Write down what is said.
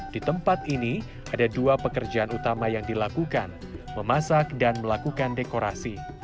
di tempat ini ada dua pekerjaan utama yang dilakukan memasak dan melakukan dekorasi